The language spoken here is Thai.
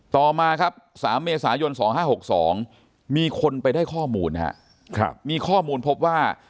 ต่อมาครับ๓เมษายน๒๕๖๒มีคนไปได้ข้อมูลนะครับมีข้อมูลพบว่า